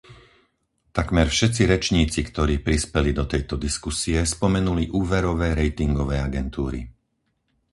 Takmer všetci rečníci, ktorí prispeli do tejto diskusie, spomenuli úverové ratingové agentúry.